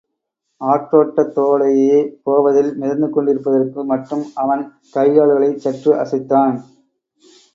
ஆற்றோட்டத் தோடேயே போவதில் மிதந்துகொண்டிருப்பதற்கு மட்டும் அவன் கைகால்களைச் சற்று அசைத்தான்.